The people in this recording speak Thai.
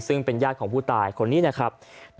ซึ่งเป็นญาติของผู้ตายคนนี้นะครับ